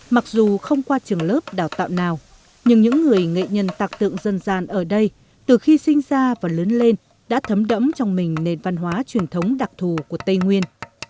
mặc dù không qua trường lớp đào tạo nào nhưng những người nghệ nhân tạc tượng dân gian ở đây từ khi sinh ra và lớn lên đã thấm đẫm trong mình nền văn hóa truyền thống đặc thù của tây nguyên